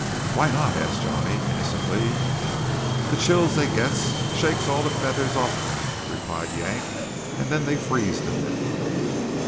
"Why not?" asked Johnny innocently. "The chills they get shakes all the feathers off'n 'em," replied Yank, "and then they freeze to death."